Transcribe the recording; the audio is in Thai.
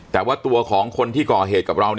แต่ว่าตัวของคนที่ก่อเหตุกับเรา